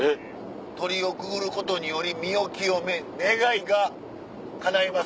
鳥居をくぐることにより身を清め願いがかないます。